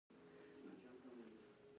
تعلیم نجونو ته د همدردۍ احساس ورکوي.